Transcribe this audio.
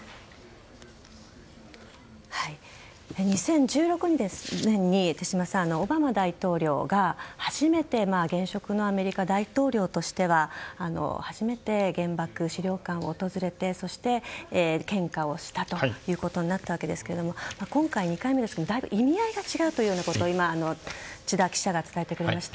２０１６年に、手嶋さんオバマ大統領が現職のアメリカ大統領としては初めて原爆資料館を訪れてそして、献花をしたということになったわけですが今回２回目ですがだいぶ意味合いが違うと今、千田記者が伝えてくれました。